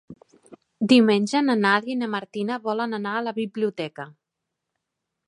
Diumenge na Nàdia i na Martina volen anar a la biblioteca.